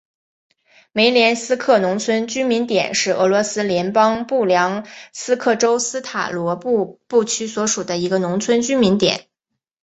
梅连斯克农村居民点是俄罗斯联邦布良斯克州斯塔罗杜布区所属的一个农村居民点。